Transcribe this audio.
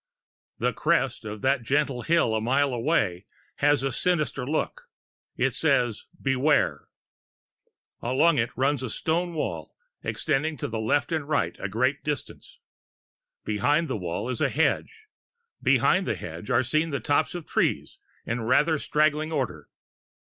The crest of that gentle hill a mile away has a sinister look; it says, Beware! Along it runs a stone wall extending to left and right a great distance. Behind the wall is a hedge; behind the hedge are seen the tops of trees in rather straggling order.